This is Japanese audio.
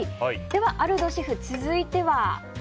では、アルドシェフ続いては。